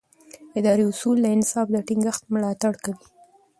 اداري اصول د انصاف د ټینګښت ملاتړ کوي.